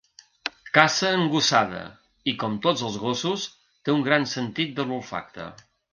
Caça en gossada i, com tots els gossos, té un gran sentit de l'olfacte.